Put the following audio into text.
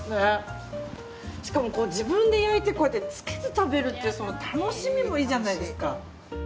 しかも自分で焼いてつけて食べるっていうその楽しみもいいじゃないですか。